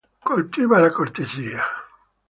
Coltiva la cortesia.